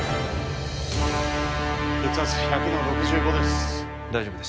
血圧１００の６５です